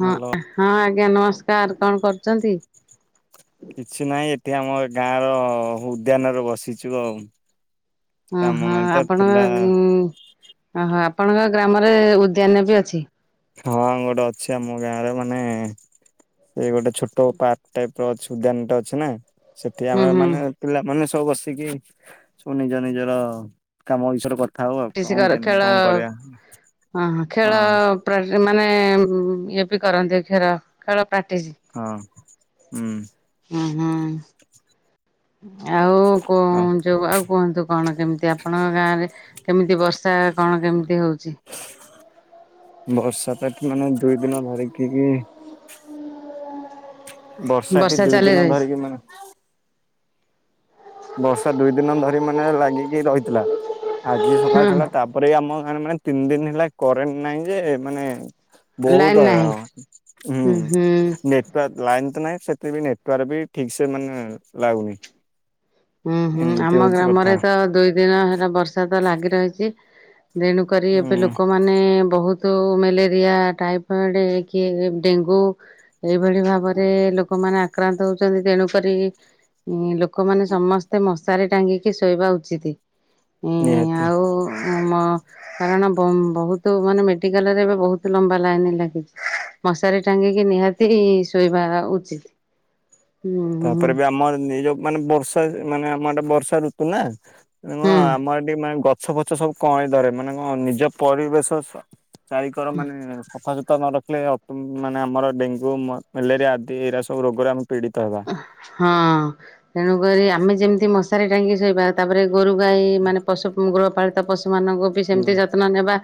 ଭଲ ହଁ ହଁ ଆଜ୍ଞା ନମସ୍କାର କଣ କରୁଛନ୍ତି? କିଛି ନାହିଁ ଏଠି ଆମ ଗାଁ ର ଉଦ୍ୟାନରେ ବସିଛୁ ଆଉ। ଓ କାମ ହଁ ନାହିଁ ତ ଆପଣ ଥିଲା ଉମ୍ ଆପଣଙ୍କ ଗ୍ରାମରେ ଉଦ୍ୟାନ ବି ଅଛି। ହଁ ଗୋଟେ ଅଛି ଆମ ଗାଁ ରେ ମାନେ ସେ ଗୋଟେ ଛୋଟ ପାର୍କ ଟାଇପ ର ଅଛି ଉଦ୍ୟାନ ଟେ ଅଛି ନା। ସେଠି ହୁଁ ଆମେ ହୁଁ ମାନେ ପିଲାମାନେ ସବୁ ବସିକି ସବୁ ନିଜ ନିଜର କାମ ଏଇସରେ କରି ଥାଉ ଆ ଟିସି କଣ କର କେମିତି ଖେଳ କଣ କରିବା? ହଁ ହଁ ଖେଳ ହଁ ପ୍ରର୍ ମାନେ ମ୍ ଇଏ ବି କରନ୍ତି ଖେଳ ଖେଳ ପ୍ରାକ୍ଟିସ୍। ହଁ ହୁଁ। ହୁଁ ହୁଁ ଆଉ କ ହଁ ଯୋଉ ଆଉ କୁହନ୍ତୁ କଣ କେମିତି ଆପଣଙ୍କ ଗାଁରେ କେମିତି ବର୍ଷା କଣ କେମିତି ହଉଛି? ବର୍ଷାଟାକି ମାନେ ଦୁଇ ଦିନ ଧରିକି ଇ ବର୍ଷାଟି ବର୍ଷା ଦୁଇ ଚାଲି ଦିନ ରହିଛି ଧରିକି ମାନେ ବର୍ଷା ଦୁଇ ଦିନ ଧରି ମାନେ ଲାଗିକି ରହିଥିଲା ଆଜି ସକାଳେ ହଁ ଛାଡିଲା ତାପରେ ଆମ ମାନେ ମାନେ ତିନି ଦିନ ହେଲା କରେଣ୍ଟ ନାଇଁ ଯେ ମାନେ ବହୁତ ଲାଇନ ନାହିଁ ହଇରାଣ ହୁଁ ନେଟୱାର୍କ ଲାଇନ୍ ତ ନାହିଁ ସେଥି ବି ନେଟୱାର୍କ ବି ଠିକ୍ ସେ ମାନେ ଲାଗୁନି। ହୁଁ ହୁଁ ଏମିତି ଆମ ହଉଛି କଥା ଗ୍ରାମରେ ତ ଦୁଇ ଦିନ ହେଲା ବର୍ଷା ତ ଲାଗି ରହିଛି। ତେଣୁକରି ଏବେ ଉଁ ଲୋକମାନେ ବହୁ ତୁ ମ୍ୟାଲେରିଆ ଟାଇଫଏଡ କି ଡେଙ୍ଗୁ ଏଇଭଳି ଭାବରେ ଲୋକମାନେ ଆକ୍ରାନ୍ତ ହଉଛନ୍ତି ତେଣୁକରି ଲୋକ ସମସ୍ତେ ମଶାରିରେ ଟାଙ୍ଗିକି ଶୋଇବା ଉଚିତ୍। ନିହାତି। କାରଣ ବହୁତ ମାନେ ମେଡିକାଲରେ ଏବେ ବହୁତ ଲମ୍ବା ଲାଇନ ଲାଗିଛି। ମଶାରୀ ଟାଙ୍ଗିକି ନିହାତି ଶୋଇବା ଉଚିତ। ତାପରେ ହୁଁ ବି ଆମର ଏ ଯୋଉ ମାନେ ବର୍ଷା ମାନେ ଆମର ଆଡେ ବର୍ଷା ଋତୁ ନା। ହୁଁ ଆମ ଆଡେ ଟିକେ ମାନେ ଗଛ ଫଛ ସବୁ କଅଁଳି ପାରେ ମାନେ କଣ ନିଜ ପରିବେଶ ଚାରିକର ମାନେ ସଫାସୁତ ତ ନ ରଖିଲେ ମାନେ ଆମର ଡେଙ୍ଗୁ ମେଲେରିଆ ଆଦି ଏଇରା ସବୁ ରୋଗରେ ଆମେ ପୀଡିତ ହେବା ହଁ ତେଣୁକରି ଆମେ ଯେମିତି ମଶାରି ଟାଙ୍କି ଶୋଇବା ତାପରେ ଗୋରୁ ଗାଈ ମାନେ ପଶୁ ଗୃହପାଳିତ ପଶୁ। ମାନଙ୍କୁ ବି ହୁଁ ସେମିତି ଯତ୍ନ ନେବା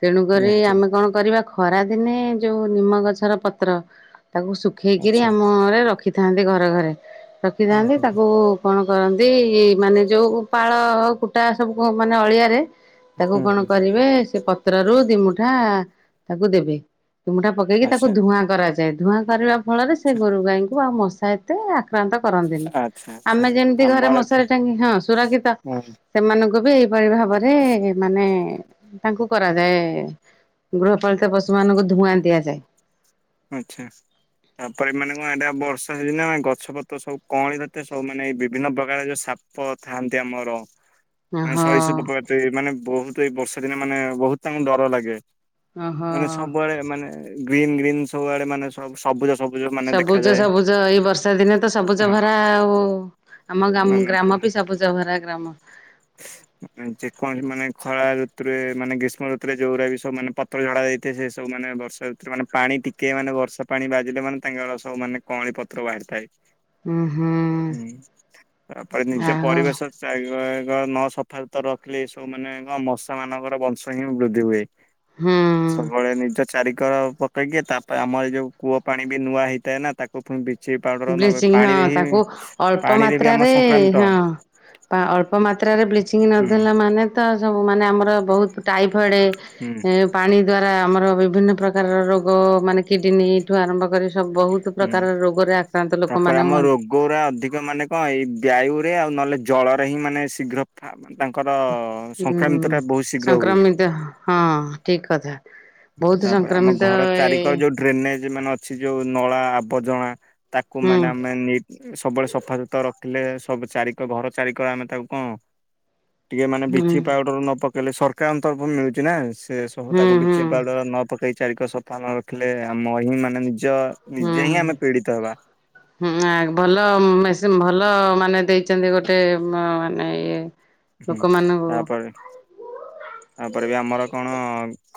ତେଣୁକରି ନିହାତି ଆମେ କଣ କରିବା ଖରା ଦିନେ ଯୋଉ ନିମ ଗଛର ପତ୍ର ତାକୁ ଶୁଖେଇକିରି ଆଚ୍ଛା। ଆମରେ ରଖି ଥାନ୍ତି ଘରେ ଘରେ ହୁଁ ରଖିଥାନ୍ତି ହୁଁ ତାକୁ କଣ କରନ୍ତି ମାନେ ଯୋଉ ପାଳ କୁଟା ସବୁ ମାନେ ଅଳିଆରେ ତାକୁ ହୁଁ କଣ ହୁଁ କରିବେ ସେ ପତ୍ର ରୁ ଦିମୁଠା ତାକୁ ଦେବେ। ଦିମୁଠା ପକେଇକି ତାକୁ ଆଚ୍ଛା ଧୂଆଁ କରାଯାଏ ଧୂଆଁ କରିବା ଫଳରେ ସେ ଆଚ୍ଛା ଗୋରୁ ଗାଈଙ୍କୁ ଆଉ ମଶା ଏତେ ଆ କ ଆକ୍ରାନ୍ତ କରନ୍ତିନି। ଆଚ୍ଛା ଆଚ୍ଛା। ଆମେ ଯେମିତି ଘରେ ଆମର ଏଠି ମଶାରୀ ଟାଙ୍ଗି ହଁ ସୁରକ୍ଷିତ ହଁ ସେମାନଙ୍କୁ ବି ଏଇପରି ଭାବରେ ମାନେ ତାଙ୍କୁ କରାଯାଏ ଗ ପାଳିତ ପଶୁ ମଙ୍କୁ ଧୂଆଁ ଦିଆଯାଏ। ଆଚ୍ଛା। ତାପରେ ଏମାନେ କଣ ଏଟା ବର୍ଷା ସିଜିନ ଗଛ ପତ୍ର ସବୁ କଅଁଳି ତତେ ସବୁ ମାନେ ବିଭିନ୍ନ ପ୍ରକାର ଯୋଉ ସା ପ ଥାଆନ୍ତି ଆମର। ମାନେ ଓହୋ ସଇଶ ମାନେ ବହୁତ ଏଇ ବର୍ଷା ଦିନେ ମାନେ ବହୁତ ତାଙ୍କୁ ଡର ଲାଗେ। ଓହୋ ମାନେ ସବୁଆଡେ ମାନେ ଗ୍ରୀନ୍ ଗ୍ରୀନ ସବୁଆଡେ ମାନେ ସବୁ ସବୁଜ ସବୁ। ସବୁଜ ସବୁଜ ଏଇ ବର୍ଷା ଦିନେ ତ ସବୁଜ ଭରା ହଁ ଆଉ ଆମ ମାନେ ଗ୍ରାମ ବି ସବୁଜହରା ଗ୍ରାମ। ଯେକୌଣସି ମାନେ ଖଳା ଋତୁରେ ମାନେ ଗ୍ରୀଷ୍ମ ଋତୁରେ ଯୋଉରା ବି ସବୁ ମାନେ ପତଳା ଝାଡା ଯାଇଥିବେ ସେ ସବୁ ମାନେ ମାନେ ବର୍ଷା ଋତରେ ମାନେ ପାଣି ଟିକେ ମାନେ ବର୍ଷା ପାଣି ବାଜିଲେ ମାନେ ତାଙ୍କର ସବୁ ମାନେ କଅଁଳି ପତ୍ର ବାହାରିଥାଏ। ହୁଁ ହୁଁ ହୁଁ ତାପରେ ନିଜ ଆଉ ପରିବେଶ ନ ସଫା ସୁତର ରଖିଲେ ଏସବୁ ମାନେଙ୍କ ମଶା ମାନଙ୍କର ବଂଶ ହିଁ ବୃଦ୍ଧି ହୁଏ। ହୁଁ ସବୁବେଳେ ନିଜ ଚାରି ର ପକେଇକି ତାପରେ ଆମର ଯଉ କୂଅ ପାଣି ବି ନୂଆ ହେଇଥାଏ ନା ତାକୁ ପୁଣି ବ୍ଲିଚିଂ ପାଉଡର ନ ବ୍ଲିଚିଙ୍ଗ ପାଣିରେ ହଁ ହିଁ ତାକୁ ଅଳ୍ପ ପାଣିରେ ବି ଆମ ମାତ୍ରାରେ ସଂକ୍ରାମିତ ହଁ ଅଳ୍ପ ମାତ୍ର ମାତ୍ରାରେ ବ୍ଲିଚିଙ୍ଗ ହୁଁ ନଦେଲା ମାନେ ତ ସବୁ ମାନେ ଆମର ବହୁତ ଟାଇଫଏଡ ହୁଁ ପାଣି ଦ୍ଵାରା ଆମର ଆ ବିଭିନ୍ନ ପ୍ରକାରର ରୋଗ ମାନେ କିଡନୀଠୁ ଆରମ୍ଭ କରି ସବୁ ବହୁତ ହୁଁ। ପ୍ରକାର ରୋଗରେ ଆକ୍ରାନ୍ତ ତାପରେ ଲୋକମାନେ ଆମ ହୁଅନ୍ତି। ରୋଗୁରା ଅଧିକ ମାନେ କଣ ଏଇ ବାୟୁ ରେ ଆଉ ନହେଲେ ଜଳରେ ହିଁ ମାନେ ଶୀଘ୍ର ତାଙ୍କର ହୁଁ ସଂକ୍ରାମିତଟା ବହୁତ ଶୀଘ୍ର ହୁଏ। ସଂକ୍ରମିତ ହଁ ଠିକ କଥା। ବହୁତ ତାପରେ ଆମ ସଂକ୍ରମିତ ଘର ଏ ଚାରିିକଳ ଯୋଉ ଡ୍ରେନେଜ ମାନେ ଅଛି ଯୋଉ ନଳା ଆବର୍ଜନା ତାକୁ ହୁଁ ମାନେ ଆମେ ନି ସବୁବେଳେ ସଫାସୁତୁର ରଖିଲେ ସବୁ ଚାରିିକର ଘର ଚାରିକର ଆମେ ତାକୁ କଣ ଟିକେ ମାନେ ହୁଁ ବ୍ଲିଚିଙ୍ଗ ପାଉଡର ନ ପକେଇଲେ ସରକାରଙ୍କ ତରଫରୁ ମିଳୁଚ ନା ସେ ସବୁ ହୁଁ ତାକୁ ହୁଁ ପାଉଡର ନ ପକେଇ ଚାରିିକର ସଫା ନ ରଖିଲେ ଆମ ହିଁ ମାନେ ହୁଁଁ ନିଜେ ହିଁ ଆମେ ପୀଡିତ ହେବା। ଆ ଭଲ ଭଲ ଭଲ ମାନେ ଦେଇଛନ୍ତି ଗୋଟେ ମାନେ ଇଏ ହୁଁ ଲୋକମାନଙ୍କୁ ତାପରେ ତାପରେ ବି ଆମର କଣ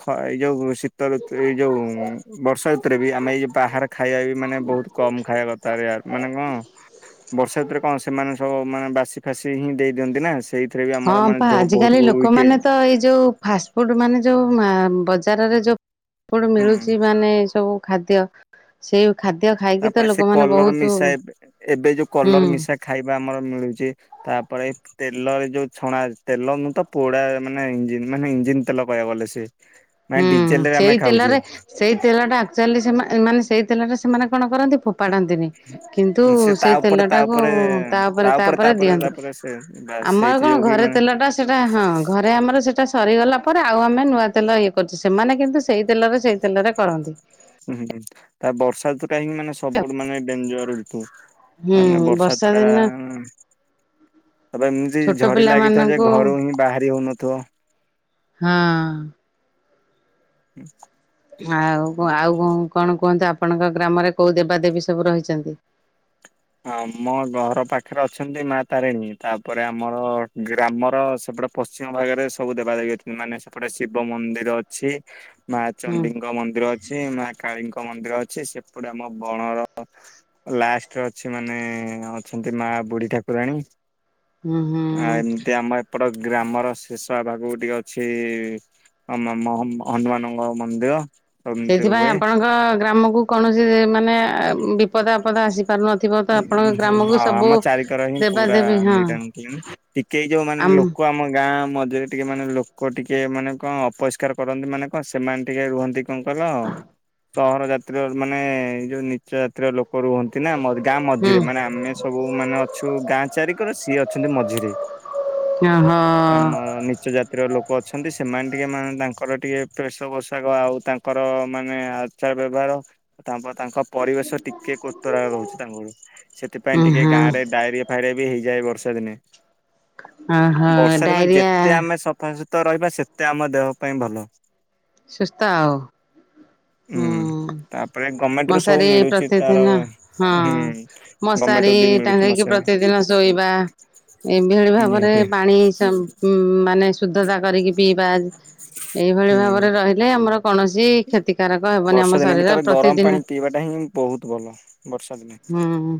ଖ ଏଇ ଯୋଉ ଶୀ ତ ଋତୁ ଏଇ ଯଉଁ ବର୍ଷା ଋତୁରେ ବି ଆମେ ଏଇ ଯେଉ ବାହାର ଖାଇବା ବି ମାନେ ବହୁତ କମ ଖାଇବା କଥାାରେ ଆର୍ ମାନେ କଣ ବର୍ଷା ଋତୁରେ କଣ ସେମାନେ ସବୁ ମାନେ ବାସି ଫାସି ହିଁ ଦେଇ ଦିଅନ୍ତି ନା ସେଇ ହଁ ପା ଆଜିକାଲି ଲୋକମାନେ ତ ଏଇ ଯୋଉ ଫାଷ୍ଟଫୁଡ଼୍ ମାନେ ଯେଉଁ ବଜାରରେ ଯେଉଁ ଫାଷ୍ଟଫୁଡ଼୍ ହୁଁ ମିଳୁଛି, ମାନେ ସବୁ ଖାଦ୍ୟ, ସେଇ ଖାଦ୍ୟ ଖାଇକି ତ ତାପରେ ସେ ଲୋକମାନେ କଲର ବହୁତ ମିଶା, ଏବେ ଯୋଉ ହୁଁ କଲର ମିଶା ଖାଇବା ଆମର ମିଳୁଛି, ତାପରେ ତେଲରେ ଯୋଉ ଛଣା, ତେଲ ନୁହଁ ତ ପୋଡା ମାନେ ଇଞ୍ଜିନ ମାନେ ଇଞ୍ଜିିନ ତେଲ କହିବାକୁ ଗଲେ, ସେ ମାନେ ହୁଁ, ଡିଜେଲ ରେ ଆମେ ସେଇ ଖାଉଛେ। ତେଲରେ, ସେଇ ତେଲ ଟା ଆକଚୁଆଲୀ ସେ ମାନେ ସେଇ ତେଲରେ ସେମାନେ କଣ କରନ୍ତି, ଫୋ ପାଡ଼ନ୍ତିନି, କିନ୍ତୁ ସେ ତା ସେଇ ତେଲ ଉପରେ ତା ଟାକୁ ଉପରେ ତା ତାପରେ ଉପରେ ତାପରେ ଦିଅନ୍ତି ତାପରେ ସେ । ବାସ୍ ଆମର ସେଇଥି କଣ ଯୋଗୁ ବି ଘରେ ମାନେ ତେଲ ଟା ସେଟା, ହଁ ଘରେ ଆମର ସେଟା ସରିଗଲା ତାପରେ ଆଉ ଆମେ ନୂଆ ତେଲ ଇଏ କରୁଛୁ, ସେମାନେ କିନ୍ତୁ ସେଇ ତେଲରେ ସେଇ ତେଲରେ କରନ୍ତି । ହୁଁ, ହୁଁ, ତା ବର୍ଷା କାହିଁକି ମାନେ ସବୁ ମାନେ ଡେଞ୍ଜର ର ହୁଁ ମାନେ ବର୍ଷା ଦିନ ଦ୍ୱାରା ତବେ ଏମିତି ଛୋଟ ଝରି ପିଲା ଲାଗିଥିବ, ଯେ- ମାନଙ୍କୁ ଘରୁ ହିଁ ବାହାରି ହଉନଥିବ । ହଁ ହୁଁ [unintelligible] ଆଉ, ଆଉ କଣ କଣ କୁହନ୍ତୁ ଆପ--? ଆପଣଙ୍କ ଗ୍ରାମରେ କେଉ ଦେବାଦେବୀ ସବୁ ରହିଛନ୍ତି ଆମ ଘର ପାଖରେ ଅଛନ୍ତି -ମା ତାରିଣୀ, ତାପରେ ଆମର ଗ୍ରାମର ସେପଟେ ପଶ୍ଚିମ ଭାଗରେ ସବୁ ଦେବଦେବୀ ଅଛନ୍ତି, ମାନେ ସେପଟେ ଶିବ ମନ୍ଦିର ଅଛି । ମା ହୁଁ ଚଣ୍ଡୀଙ୍କ ମନ୍ଦିର ଅଛି, ମା କାଳୀଙ୍କ ମନ୍ଦିର ଅଛି, ସେପଟେ ଆମ ବଣର ଲାଷ୍ଟ ଅଛି ମାନେ, ଅଛନ୍ତି ମା ବୁଢୀ ଠାକୁରାଣୀ । ହୁଁ ହୁଁ ହ ସେପଟ ଗ୍ରାମର ଶେଷ ଭାଗକୁ ଟିକେ ଅଛି ଆମମ ହନୁମାନଙ୍କ ମନ୍ଦିର ଏମିତି ସେଇଥିପାଇଁ ହୁଏ ଆପଣଙ୍କ ଗ୍ରାମ କୁ, କୌଣସି ମାନେ ମାନେ ବିପଦ ଆପଦ ଆସି ପାରୁନଥିବ ତ, ଆପଣଙ୍କ ଗ୍ରାମକୁ ହଁ ସବୁ ଆମ ଚାରିିକର ହିଁ ପୁରା ଦେବାଦେଵୀ ହଁ ଟିକେ ଯୋଉ ମାନେ ଲୋକ ଆମ ଗାଁ ମଝିରେ ଟିକେ ମାନେ ଲୋକ ଟିକେ ମାନେ କଣ ଅପରିଷ୍କାର କରନ୍ତି, ମାନେ କଣ, ସେମାନେ ଟିକେ ରୁହନ୍ତି କଣ କହିଲ ଆଉ ସହର ଜାତିର ମାନେ -ଏଇ ଯୋଉ ନିଚ ଜାତିର ଲୋକ ରୁହନ୍ତି ନା ମ ଗାଁ ହୁଁ ମଝିରେ, ମାନେ ଆମେ ସବୁ ମାନେ ଅଛୁ ଗାଁ ଚାରିିକର, ସିଏ ଅଛନ୍ତି ମଝିରେ ଓହୋ ଆମ ନିଚ ଜାତି ଲୋକ ଅଛନ୍ତି, ସେମାନେ ଟିକେ ମାନେ ତାଙ୍କର ଟିକେ ବେସ ପୋଷାକ ଆଉ ତାଙ୍କର ମାନେ ଆଚ ବ୍ୟବହାର, ତା ତାଙ୍କ ପରିବେଶ ଟିକେ କତରା ରହୁଛି ତାଙ୍କର, ସେଥିପାଇଁ ଉଁ ଟିକେ ହୁଁ। ଗାଁ ରେ ଡାଇରିଆ ଫାଇରିଆ ବି ହେଇଯାଏ ବର୍ଷା ଦିନେ, ଓହୋ ବର୍ଷା ଦିନ ଡାଇରିଆ ଯେତେ ଆମେ ସଫାସ ତ ରହିବା, ସେତେ ଆମ ଦେହ ପାଇଁ ଭଲ । ସୁସ୍ଥ ଆଉ ହୁଁ ତାପରେ ଗମେଣ୍ଟ ରୁ ସବୁ ମଶାରୀ ମିଳୁଛି ତାର ପ୍ରତିଦିନ, ହଁ, ହୁଁ। ଗମେଣ୍ଟ ମଶାରୀ ବି ମିଳୁଛି ଟାଙ୍ଗରିକି ମଶାରି ପ୍ରତିଦିନ ଶୋଇବା । ଏଭଭଳି ଭାବରେ ନିହାତି ପାଣି ମାନେ ଶୁଦ୍ଧତା କରିକି ପିଇବା, ଏଇଭଳି ଭାବରେ ହୁଁ। ରହିଲେ, ଆମର କୌଣସି କ୍ଷତିକାରକ ହେବନି ବର୍ଷା ଆମ ଦିନେ ବି ଶରୀର, ତାପରେ ଗରମ ପାଣି ପ୍ରତିଦିନ ପିଇବାଟା ହିଁ ବହୁତ ଭଲ ବର୍ଷା ଦିନେ ହୁଁ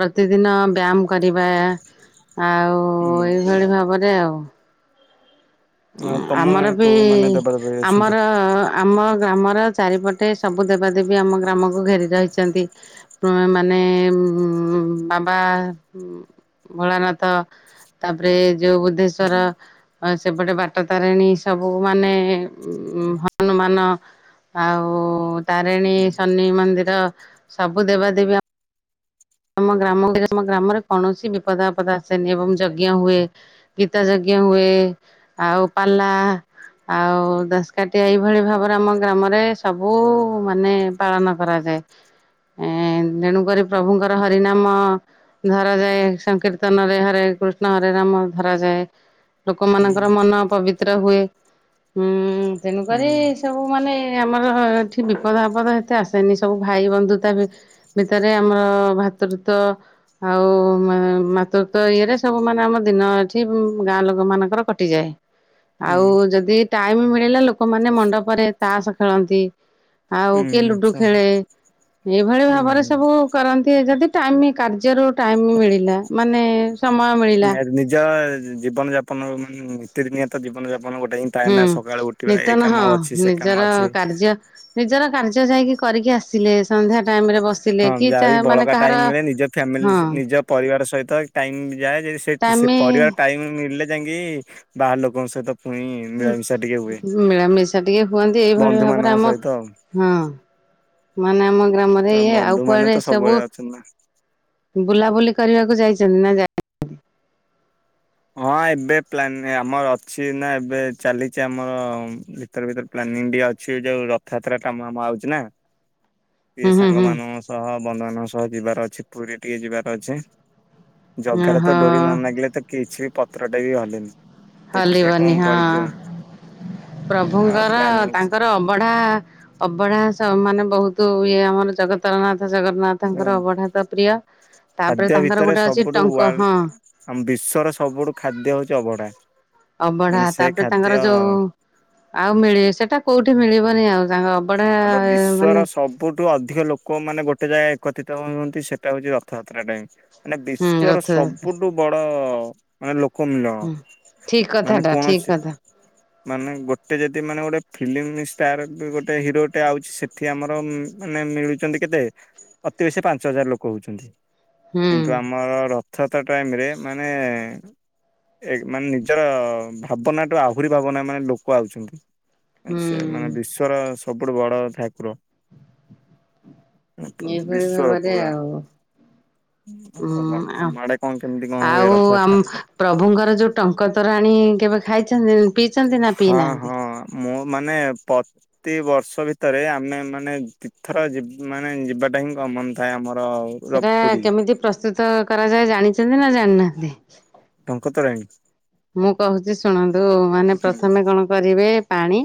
ପ୍ରତିଦିନ ବ୍ୟାୟାମ କରିବା ଆଉ ହୁଁ। ଏଇଭଳି ଭାବରେ ଆଉ ଆଉ ତମ ଆମର ଗାଁରେ ବି, କୋଉ ମାନେ ଦେବାଦେବୀ ଅଛନ୍ତି? ଆମର, ଆମ ଗ୍ରାମର ଚାରିପଟ ଗଟେ ସବୁ ଦେବାଦେବୀ ଆମ ଗ୍ରାମକୁ ଘେରି ରହିଛନ୍ତି, ମାନେ ଉ ବାବା ଭୋଳାନାଥ, ତାପରେ ଯୋଉ ବୁଦ୍ଧେଶ୍ଵର, ହୁଁ ସେପଟେ ବାଟ ତାରିଣୀ, ସବୁ ମାନେ ଉ ହନୁମାନ ଆଉ ତାରିଣୀ, ଶନି ମନ୍ଦିର ସବୁ ଦେବା ଦେବୀ ଆ ଆମ ଗ୍ରାମ, ଆମ ଗ୍ରାମରେ କୌଣସି ବିପଦ ଆପଦ ଆସେନି ଏବଂ ଯଜ୍ଞ ହୁଏ, ଗୀତା ଯଜ୍ଞ ହୁଏ ଆଉ ପାଲା। ଆଉ ଦଶକାଠି ଏଇଭଳି ଭାବରେ ଆମ ଗ୍ରାମରେ ସବୁ ମାନେ ପାଳନ କରାଯାଏ। ତେଣୁକରି ପ୍ରଭୁଙ୍କର ହରିନାମ ଧରାଯାଏ ସଂକୀର୍ତ୍ତନରେ ହରେ କୃଷ୍ଣ ହରି ନାମ ଧରାଯାଏ। ହୁଁ ଲୋକମାନାନଙ୍କର ମନ ପବିତ୍ର ହୁଏ ଉଁ ହୁଁ ତେଣୁକରି ସବୁ ମାନେ ଆମର ଏଠି ବିପଦ ଆପଦ ଏତେ ଆସେନି ସବୁ ଭାଇ ବନ୍ଧୁତା ଭିତରେ ଆମର ଭାତୃତ୍ୟ ଆଉ ମାତୃତ୍ଵ ଇଏରେ ସବୁ ମାନେ ଆମ ଦିନ ଏଠି ଗାଁ ଗାଁ ଲୋକମାନଙ୍କର କଟିଯାଏ। ଆଉ ଯଦି ଟାଇମ ମିଳିଲା ଲୋକମାନେ ମଣ୍ଡପରେ ତାସ ଖେଳନ୍ତି। ଆଉ କିଏ ହୁଁ ଲୁଡୁ ଆଚ୍ଛା ଖେଳେ ଏଇଭଳି ହୁଁ ଭାବରେ ହୁଁ। ସବୁ କରନ୍ତି ଯଦି ଟାଇମ କାର୍ଯ୍ୟ ର ଟାଇମ ମିଳିଲା ମାନେ ସମୟ ମିଳିଲା। ନିଜ ଜୀବନ ଯାପନ ମାନ ନୀତି ନିୟତ ଜୀନ ଯାପନ ଗୋଟେ ହିଁ ଥାଏ ହୁଁ ନା ସକାଳୁ ଉ ଉଠିବା ଏ ନିିତନ କାମ ହଁ ଅଛି ସେ କାମ ନିଜର ଅଛି କାର୍ଯ୍ୟ ନିଜର କାର୍ଯ୍ୟ ଯାଇକି କରିକି ଆସିଲେ ସନ୍ଧ୍ୟା ଟାଇମରେ ବସିଲେ ହଁ କି ଯାହାବି ମାନେ ବଳକା କାହାର ଟାଇମରେ ନିଜ ଫ୍ୟାମିଲି ହଁ ନିଜ ପରିବାର ସହିତ ଟାଇମ ଯାଏ ଯଦି ଟାଇମ ସେ ପରିବାର ଟାଇମ ମିଳିଲେ ଯାଇକି ବାହାର ଲୋକଙ୍କ ସହିତ ପୁଣି ମିଳାମିଶା ଟିକେ ହୁଏ। ମିଳାମିଶା ଟିକେ ହୁଅନ୍ତି ଏଇଭଳି ବନ୍ଧୁ ଭାବରେ ମାନଙ୍କ ଆମ ସହିତ ଆଉ ହଁ। ମାନେ ଆମ ଗ୍ରାମରେ ତ ଇଏ ବନ୍ଧୁ ଆଉ ମାନେ କୁଆଡେ ତ ସବୁ ସବୁବେଳେ ଅଛନ୍ତି ନା। ବୁଲାବୁଲି କରିବାକୁ ଯାଇଛନ୍ତି ନାଁ ଯା ହଁ ଏବେ ପ୍ଲାନି ଆମର ଅଛି ନା ଏବେ ଚାଲିଛି ଆମର ଭିତରେ ଭିତରେ ପ୍ଲାନିଂ ବି ଅ ଅଛି ଯୋଉ ରଥଯାତ୍ରା କାମ ଆମ ଆଉଛି ନା। ହଁ ଟିକେ ସାଙ୍ଗ ମାନଙ୍କ ସହ ବନ୍ଧୁମାନାନଙ୍କ ସହ ଯିବାର ଅଛି ପୁରୀରେ ଟିକେ ଯିବାର ଅଛି। ଜଗାରେ ଓହୋ ତ ଡୋରି ନ ମାଗିଲେ ତ କିଛି ବି ପତ୍ରଟା ବି ହେଲେନି। ହଲିିବନି ହଁ। ଆଉ ପ୍ରଭୁଙ୍କର ପ୍ଲାନିଂ ତାଙ୍କର ଅବଢା ଅବଢା ମାନେ ବହୁତ ଇଏ ଆମର ଜଗତରନାଥ ଜଗନ୍ନାଥଙ୍କର ଅବଢା ତ ପ୍ରିୟ। ତାପରେ ଖାଦ୍ୟ ତାଙ୍କର ଭିତରେ ଗୋଟେ ଅଛି ସବୁଠୁ ଟଙ୍କ ୱ ହଁ ଆମ ବିଶ୍ଵର ସବୁଠୁ ଖାଦ୍ୟ ହଉଛି ଅବଢା। ଅବଢା ମାନେ ସେ ତାପରେ ତାଙ୍କର ଖାଦ୍ୟ ଯୋଉ ଆଉ ମିଳିବ ସେଟା କୋଉଠି ମିଳିବନି ଆଉ ତାଙ୍କ ଅବଢା ଆବ ବିଶ୍ଵର ମାନେ ସବୁଠୁ ଅଧିକ ଲୋକ ମାନେ ଗୋ ଟେ ଯାଏ ଏକତିତ ହୁଅନ୍ତି ସେଟା ହଉଛି ରଥଯାତ୍ରା ଟାଇ ମାନେ ହୁଁ ବିଶ୍ଵର ରଥଯାତ୍ରା ସବୁଠୁ ବଡ ଓ ଆ ଲୋକ ମିଲଣ ହୁଁ ଠିକ ମାନେ କଥାଟା ଠିକ କୌଣସି କଥା ମାନେ ଗୋଟେ ଯଦି ମାନେ ଗୋଟେ ଫିଲ୍ମ ଷ୍ଟାର ବି ଗୋ ଟେ ହିରୋଟେ ଆଉଛି ସେଠି ଆମର ଉମଁ ମାନେ ମିଳୁଛନ୍ତି କେତେ? ଅତି ବେଶୀ ପାଞ୍ଚ ହଜାର ଲୋକ ହଉଛନ୍ତି ହୁଁ କିନ୍ତୁ ଆମର ର ଥତା ଟାଇମ୍ରେ ମାନେ ଏ ମାନେ ନିଜର ଭାବନାଠୁ ଆହୁରି ଭାବନା ମାନେ ଲୋକ ଆଉଛନ୍ତି। ଉ ହୁଁ ସେ ମାନେ ବିଶ୍ଵର ସବୁଠୁ ବଡ ଠାକୁର। ଏଭଳି ବିଶ୍ଵର ଭାବ ରେ ପୁରା ଆଉ। ହୁଁ ତମ ଆଉ ଆଡେ କଣ କେମିତି କଣ ହୁଏ ଆଉ ଆମ୍ ରଥଯାତ୍ରା? ପ୍ରଭୁଙ୍କର ଯୋଉ ଟଙ୍କା ତରାଣି କେବେ ଖାଇଛନ୍ତିଉ ପିଇଛନ୍ତି ନା ପିଇ ହଁ ନାହାନ୍ତି? ହଁ ମୁଁ ମାନେ ପତିବର୍ଷ ଭିତରେ ଆମେ ମାନେ ତୀର୍ଥର ଯିବ୍ ମାନେ ଯିବାଟା ହିଁ କ ମନ ଥାଏ ଆମର୍ ସେଟା କେମିତି ପ୍ରସ୍ତୁତ କରାଯାଏ ଜାଣିଛନ୍ତି ନା ଜାଣିନାହାନ୍ତି? ଟଙ୍କତୋରାଣି। ମୁଁ କହୁଛି ଶୁଣନ୍ତୁ ମାନେ ହୁଁ ପ୍ରଥମେ କଣ କରିବେ ପାଣି।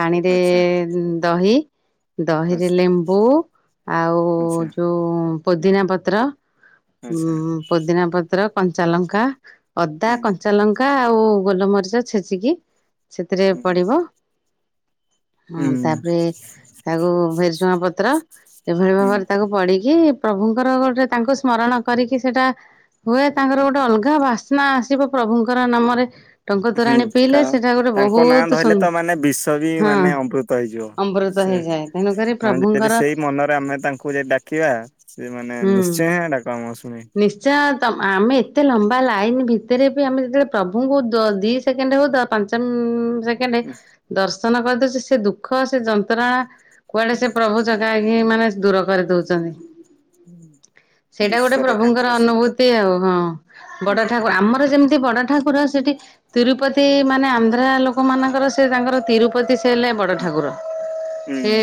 ପାଣିରେ ଆଚ୍ଛା ଉଁ ଦହି। ଦହିରେ ଆଚ୍ଛା ଲେମ୍ବୁ ଆଉ ଆଚ୍ଛା ଯଉଁ ପୋଦିନା ପତ୍ର। ଆଚ୍ଛା ଉଁ ପୋଦିନା ପତ୍ର କଞ୍ଚା ଲଙ୍କା ଅଦା ହୁଁ କ ଆଉ ଗୋଲମରିଚ ଛେଚିକି ସେଥିରେ ହୁଁ ପଡିବ। ହୁଁ ତାପରେ ତାକୁ ଭେସୁଙ୍ଗା ପତ୍ର ଏଭଳି ହୁଁ ଭାବରେ ତାକୁ ପଡିକି ପ୍ରଭୁଙ୍କର ଗୋଟେ ତାଙ୍କୁ ସ୍ମରଣ କରିକି ସେଟା ହୁଏ ତାଙ୍କର ଗୋଟେ ଅଲ୍ଗା ବାସ୍ନା ଆସିବ। ପ୍ରଭୁଙ୍କର ନାମରେ ଟଙ୍କ ହୁଁ ତୋରାଣୀ ପିଇଲେ କା ସେଟା ଗୋଟେ ତାଙ୍କ ନାଁ ବହୁତ ସୁ ଧ‌ଇଲେ ତ ମାନେ ବିଷ ବି ହଁ ମାନେ ଅମ୍ବୃତ ହେଇଯିବ। ଅମୃତ ସେ ହେଇଯାଏ ତେଣୁକରି ମାନେଯ ଯଦି ପ୍ରଭୁଙ୍କର ସେଇ ମନରେ ଆମେ ତାଙ୍କୁ ଯଦି ଡାକିବା ସେ ମାନେ ନିଶ୍ଚୟ ଡା କ ଆମ ଶୁଣିବେ। ତମ୍ ଆମେ ଏତେ ଲମ୍ବା ଲାଇନି ଭିତ୍ ଭିତେରେ ବି ଆମେ ଯେତେବେଳେ ପ୍ରଭୁଙ୍କୁ ‌ଦ ଦି ସେକେଣ୍ଡ ହଉ ପାଞ୍ଚ ଉଁ ସେକେଣ୍ଡ ଦର୍ଶ ର୍ଶନ କରିଦଉଛି ସେ ଦୁଃଖ ସେ ଯନ୍ତ୍ରଣା କୁଆଡେ ସେ ପ୍ରଭୁ ଚକାଆଖି ମାନେ ଦୂର କରିଦଉଛନ୍ତି। ସେଇଟା ଗୋଟେ ବିଶ୍ଵର ପ୍ରଭୁଙ୍କର ଠାକୁର ସେ ଅନୁଭୂତି ଆଉ ହଁ ହୁଁ ବଡ ହୁଁ ଠାକୁର ଆମ ଯେମିତି ବଡ ଠାକୁର ସେଠି ତିରୁପତି ମାନେ ଆନ୍ଧ୍ରା ଲୋକ ମାନଙ୍କର ସେ ତାଙ୍କର ତିରୁପତି ସେ ହେଲେ ବଡ଼ ଠାକୁର ସେ ହୁଁ।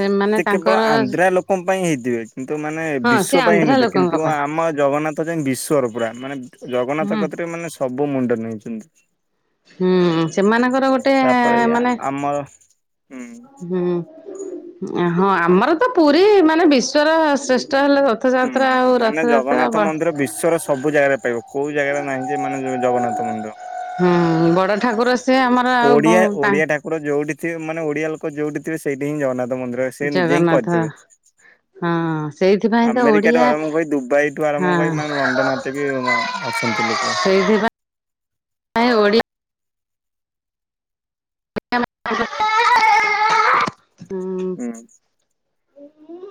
ସେମାନେ ସେ କେବଳ ତାଙ୍କର ଆନ୍ଧ୍ରା ଲୋକଙ୍କ ପାଇଁ ହେଇଥିବେ। କିନ୍ତୁ ମାନେ ହଁ ସେ ବିଶ୍ୱ ପାଇଁ ହେଇ ଆନ୍ଧ୍ରା ନଥିବେ ଲୋକଙ୍କ କିନ୍ତୁ ପାଇଁ ଆମ ଜଗନ୍ନାଥ ଯେ ବିଶ୍ୱର ପୁରା ମାନେ ଜଗନ୍ନାଥ ହୁଁ କତିରେ ମାନେ ସବୁ ମୁଣ୍ଡ ନେଇଛନ୍ତି। ହୁଁ ସେମାନଙ୍କର ଗୋଟେ ମାନେ ହ। ହୁଁ ଅଁହଁ ଆମର ତ ପୁରୀ ମାନେ ବିଶ୍ଵର ଶ୍ରେଷ୍ ହୁଁ ମାନେ ବ ଜଗନ୍ନାଥ ମନ୍ଦିର ବିଶ୍ଵର ସବୁ ଜାଗାରେ ପାଇବ କୋଉ ଜାଗାରେ ନାହିଁ ଯେ ମାନେ ଯ ଜଗନ୍ନାଥ ତ ମୁଣ୍ଡ ହୁଁ ବଡ ଠାକୁର ସ୍ ଓଡିଆ ଓଡିଆ ଠାକୁର ଯୋଉଠିଥିବେ ମାନେ ଓଡିଆ ଲୋକ ଯୋଉଠି ଥିବେ ସେଇଠି ହିଁ ଜଗନ୍ନାଥ୍ ମନ୍ଦିର ସେ ନିଜେ ହିଁ ଜଗନ୍ନାଥ କରିଦେବେ। ହଁ ସେଇଥିପାଇଁ ତ ଓଡିଆ ଆମେରିକାରୁ ଆରମ୍ଭ କରି ଦୁବାଇଠୁ ହଁ ଆରମ୍ଭ କରି ମାନେ ଲଣ୍ଡନ ହାତେ ବି ଅଛନ୍ତି ଲୋକ। ଆ ଓଡ଼ିଆ [unintelligible] ହୁଁ।